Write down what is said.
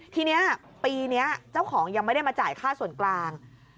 ทีนี้ปีนี้เจ้าของยังไม่ได้มาจ่ายค่าส่วนกลาง